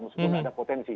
maksudnya ada potensi